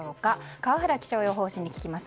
川原気象予報士に聞きます。